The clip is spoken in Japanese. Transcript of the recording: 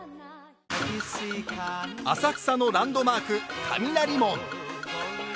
浅草のランドマーク、雷門。